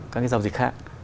các cái giao dịch khác